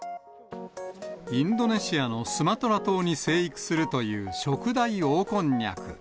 インドネシアのスマトラ島に生育するというショクダイオオコンニャク。